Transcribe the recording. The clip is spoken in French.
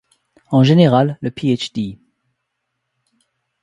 En général, le Ph.D.